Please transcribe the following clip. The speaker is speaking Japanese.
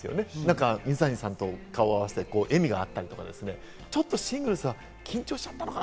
水谷さんと顔を合わせて笑みがあったり、ちょっとシングルスは緊張しちゃったのかな？